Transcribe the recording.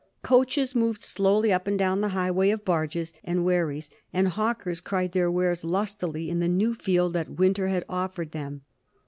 Coaches moved slowly up and down the highway of barges and wherries, and hawkers cried their wares lustily in the new field that winter had offered them.